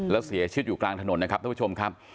แล้วเสียชีวิตอยู่กลางถนนนะครับท่านผู้ชมครับ